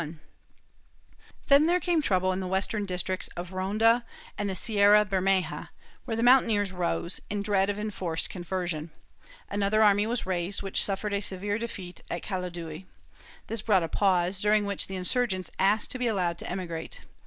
II] CONVERSION OF GRANADA 323 Then there came trouble in the Western districts of Ronda and the Sierra Bermeja, where the mountaineers rose, in dread of enforced conversion. Another army was raised, which suffered a severe defeat at Caladui. This brought a pause, during which the insurgents asked to be allowed to emigrate.